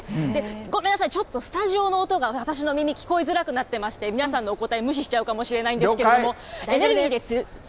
ごめんなさい、ちょっとスタジオの音が私の耳、聞こえづらくなっていまして、皆さんのお答え無視しちゃうかもしれないんですけれども。